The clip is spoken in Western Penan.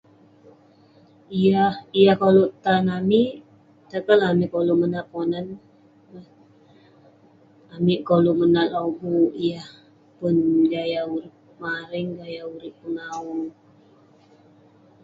Yah- yah koluk tan amik, cotohlah amik koluk menat Ponan. amik koluk menat lobuk yah pun gaya urip mareng, gaya urip pengawu.